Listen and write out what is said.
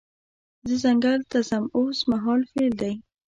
زه ځنګل ته ځم اوس مهال فعل دی.